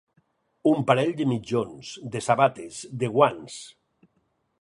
Un parell de mitjons, de sabates, de guants.